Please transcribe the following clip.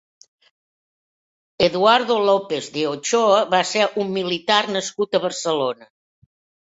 Eduardo López de Ochoa va ser un militar nascut a Barcelona.